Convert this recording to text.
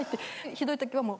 ひどい時はもう。